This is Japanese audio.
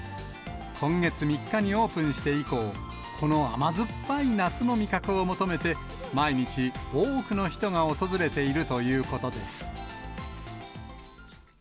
今月３日にオープンして以降、この甘酸っぱい夏の味覚を求めて、毎日、多くの人が訪れているということです。